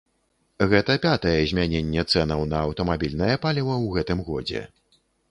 Гэта пятае змяненне цэнаў на аўтамабільнае паліва ў гэтым годзе.